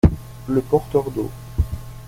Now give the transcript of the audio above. Le porteur d’eau.